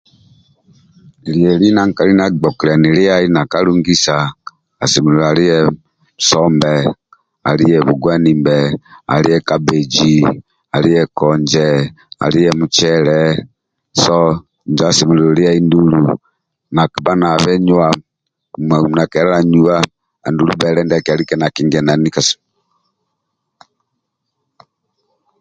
Lieli na nkali ndia agbokiliani liyai nakalungisa asemelelu aliye sombe, aliye bugwanimbe, aliye kabbeji, aliye konje, aliye mucele so injo asemelelu liyai andulu na kibha na byenyuwa uma uma nakikelela nyuwa andulu bhele ndiaki alike na kinganani kas